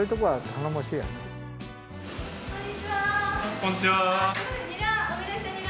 こんにちは。